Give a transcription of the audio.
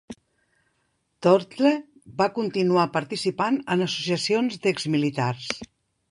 Thurtle va continuar participant en associacions d'exmilitars.